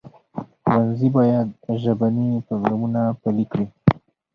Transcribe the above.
ښوونځي باید ژبني پروګرامونه پلي کړي.